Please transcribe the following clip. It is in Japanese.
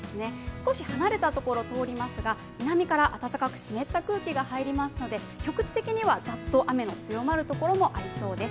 少し離れたところを通りますが、南から暖かく湿った空気が入りますので、局地的にはざっと雨の強まるところもありそうです。